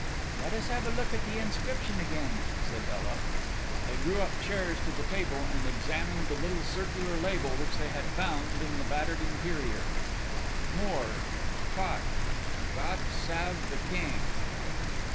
"Let us have a look at the inscription again," said Ela. They drew up chairs to the table and examined the little circular label which they had found in the battered interior. "Mor: Cot. God sav the Keng."